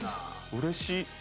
うれしい？